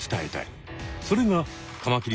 それがカマキリ